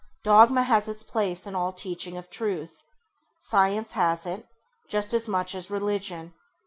Dogma has its place in all teaching of truth. Science has it, just as much as religion.